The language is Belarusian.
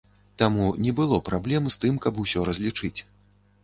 Таму не было праблем з тым, каб усё разлічыць.